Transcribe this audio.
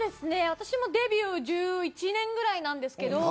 私もデビュー１１年ぐらいなんですけど。